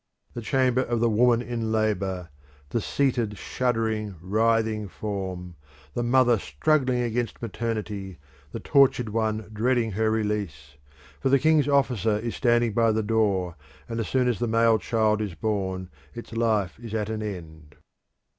the chamber of the woman in labour the seated shuddering, writhing form the mother struggling against maternity the tortured one dreading her release for the king's officer is standing by the door, and as soon as the male child is born its life is at an end.